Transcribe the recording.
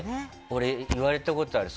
俺、言われたことある。